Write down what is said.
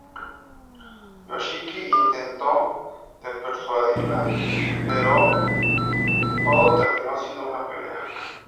Yoshiki intentó de persuadirla pero todo terminó siendo una pelea.